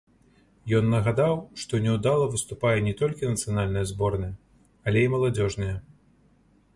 Ён нагадаў, што няўдала выступае не толькі нацыянальная зборная, але і маладзёжныя.